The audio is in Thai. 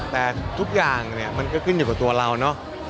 แต่ทุกอย่างเนี่ยมันก็ขึ้นอยู่กับตัวเราเนอะ